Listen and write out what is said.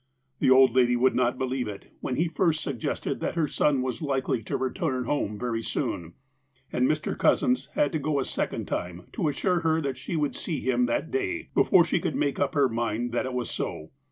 The old lady would not believe it, when he first suggested that her son was likely to return home very soon, and Mr. Cousins had to go a second time to assure her that she would see him that day, before she could make up her mind that it was so.